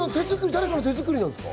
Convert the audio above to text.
誰かの手づくりなんですか？